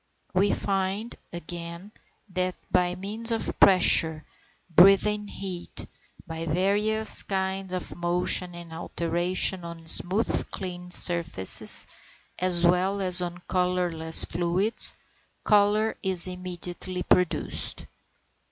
We find, again, that by means of pressure, breathing heat (432, 471), by various kinds of motion and alteration on smooth clean surfaces (461), as well as on colourless fluids (470), colour is immediately produced.